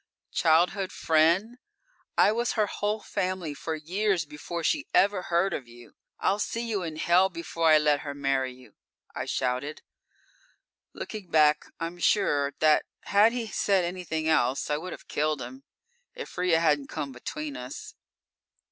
"Childhood friend! I was her whole family for years before she ever heard of you! I'll see you in hell before I let her marry you!" I shouted. Looking back, I'm sure that had he said anything else, I would have killed him, if Ria hadn't come between us.